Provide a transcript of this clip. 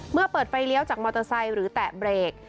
เมื่อเปิดไฟเลี้ยวจากมอเตอร์ไซค์หรือแตะเบรก